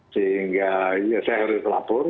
sehingga saya harus melapor